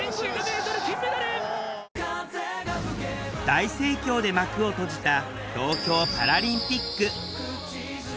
大盛況で幕を閉じた東京パラリンピック。